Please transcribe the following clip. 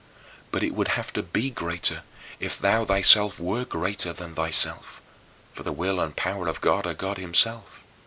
But it would have to be greater if thou thyself wert greater than thyself for the will and power of God are God himself.